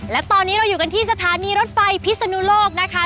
และตอนนี้เราอยู่กันที่สถานีรถไฟพิศนุโลกนะคะ